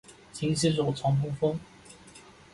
勤洗手，常通风。